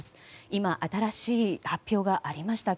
今、新しい発表がありました。